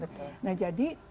betul nah jadi cukup lama